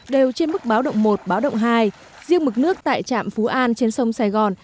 đều trên mức báo động một báo động hai riêng mực nước tại trạm phú an trên sông sài gòn